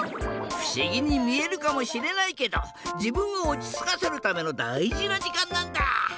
ふしぎにみえるかもしれないけどじぶんをおちつかせるためのだいじなじかんなんだ。